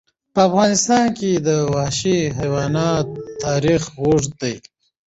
په افغانستان کې د وحشي حیوانات تاریخ اوږد دی.